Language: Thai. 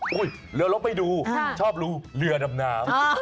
เห้ยเหลือรกไปดูชอบรู้เรือดำน้ำ